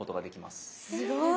すごい！